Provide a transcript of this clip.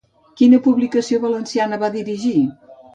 Quina publicació valenciana va dirigir?